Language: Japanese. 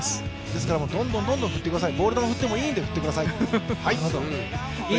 ですから、どんどん振ってくださいボール球振ってもいいんで振ってください。